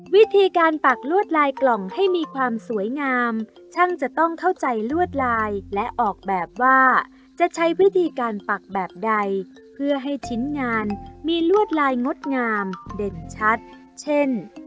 วิธีการปักลวดลายกล่องให้มีความสวยงามช่างจะต้องเข้าใจลวดลายและออกแบบว่าจะใช้วิธีการปักแบบใดเพื่อให้ชิ้นงานมีลวดลายงดงามเด่นชัดเช่น